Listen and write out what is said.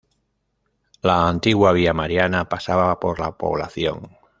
La antigua Vía Mariana, pasaba por la población.